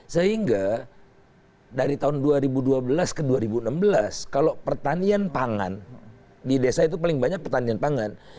sehingga dari tahun dua ribu dua belas ke dua ribu enam belas kalau pertanian pangan di desa itu paling banyak pertanian pangan